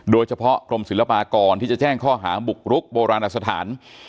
โดยเฉพาะกรมศิลปากรที่จะแจ้งข้อหาบุกรุกโบราณอสถาน